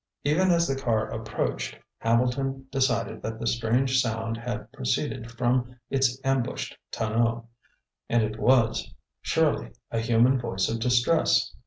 Even as the car approached, Hambleton decided that the strange sound had proceeded from its ambushed tonneau; and it was, surely, a human voice of distress.